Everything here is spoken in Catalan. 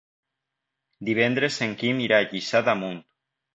Divendres en Quim irà a Lliçà d'Amunt.